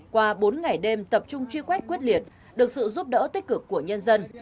qua bốn ngày đêm tập trung truy quét quyết liệt được sự giúp đỡ tích cực của nhân dân